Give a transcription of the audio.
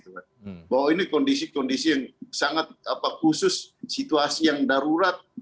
bahwa ini kondisi kondisi yang sangat khusus situasi yang darurat